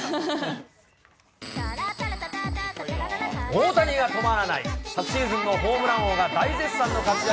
大谷が止まらない、昨シーズンのホームラン王が大絶賛の活躍。